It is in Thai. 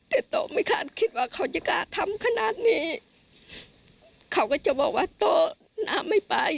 แต่โต๊ะไม่คาดคิดว่าเขาจะกล้าทำขนาดนี้เขาก็จะบอกว่าโต๊ะน้ำไม่ไป